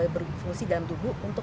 berfungsi dalam tubuh untuk